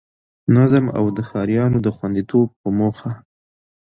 نظم او د ښاريانو د خوندیتوب په موخه